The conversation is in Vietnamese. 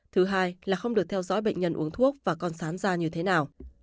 thứ hai là không được theo dõi bệnh nhân uống thuốc và con sán da như thế nào